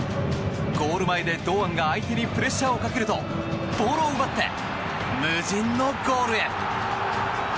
ゴール前で堂安が相手にプレッシャーをかけるとボールを奪って無人のゴールへ。